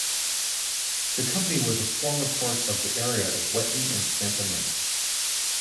The company was a former part of the area of Wetly and Santa Mint.